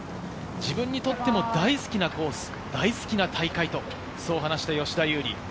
自分にとっても大好きなコース、大好きな大会、そう話した吉田優利。